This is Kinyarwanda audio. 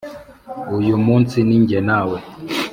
Uyu munsi ninjye nawe